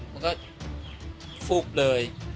แล้วก็พุบเลย